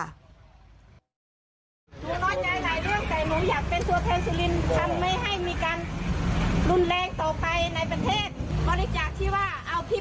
พี่กะจะมาฆ่าตัวตายนี่แหละอยู่คนเดียวทุกคนทิ้งพี่หมดแล้วไง